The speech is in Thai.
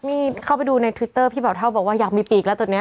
นี่เข้าไปดูในทวิตเตอร์พี่เบาเท่าบอกว่าอยากมีปีกแล้วตอนนี้